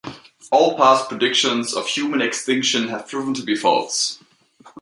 All past predictions of human extinction have proven to be false.